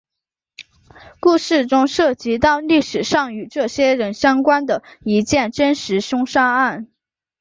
故事中涉及到历史上与这些人相关的一件真实凶杀案。